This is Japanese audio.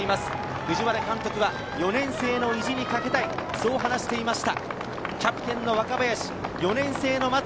藤原監督は４年生の意地にかけたい、そう話していました。